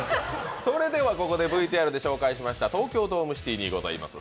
それでは、ここでＶＴＲで紹介しました東京ドームにあります